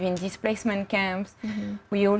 orang yang tinggal di kamp penjara